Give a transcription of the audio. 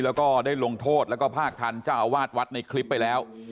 แล้วก็ได้ลงโทษแล้วก็ภาคทันเจ้าอาวาสวัดในคลิปไปแล้ว